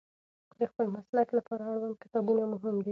د خپل مسلک لپاره اړوند کتابونه مهم دي.